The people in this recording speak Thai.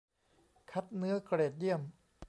คัดเนื้อเกรดเยี่ยม